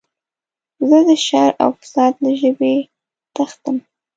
زه د شر او فساد له ژبې تښتم.